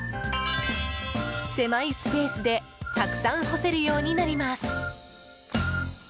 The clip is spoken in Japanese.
狭いスペースでたくさん干せるようになります。